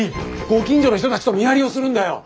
ご近所の人たちと見張りをするんだよ。